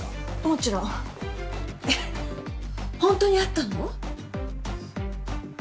もちろんえ本当に会ったの？